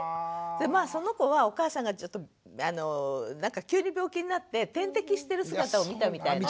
まあその子はお母さんがちょっとなんか急に病気になって点滴してる姿を見たみたいなのね。